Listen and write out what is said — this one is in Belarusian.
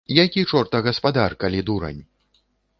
Які чорта гаспадар, калі дурань?